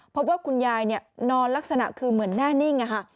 พบว่าคุณยายนอนลักษณะคือเหมือนแน่นิ่ง